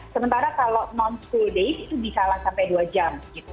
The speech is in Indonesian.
sementara kalau non school day itu di salang sampai dua jam gitu